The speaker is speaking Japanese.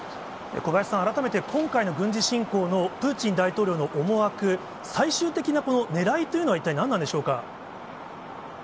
小林さん、改めて、今回の軍事侵攻のプーチン大統領の思惑、最終的なねらいというのは、一体、何なんでしょうか。